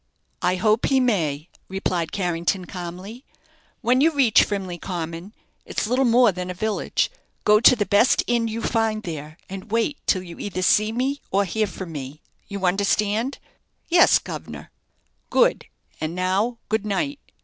"I hope he may," replied Carrington, calmly. "When you reach Frimley Common it's little more than a village go to the best inn you find there, and wait till you either see me, or hear from me. You understand?" "Yes, guv'nor." "Good; and now, good night."